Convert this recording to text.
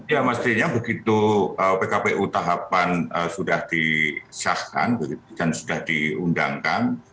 ya mestinya begitu pkpu tahapan sudah disahkan dan sudah diundangkan